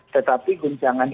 tetapi guncangan ini